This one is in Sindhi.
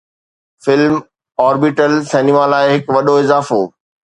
فلم-orbital سئنيما لاء هڪ وڏو اضافو